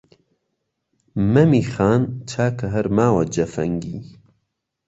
«مەمی خان» چاکە هەر ماوە جەفەنگی